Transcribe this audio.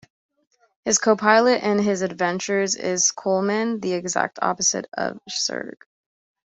His co-pilot in his adventures is Coleman, the exact opposite of Serge.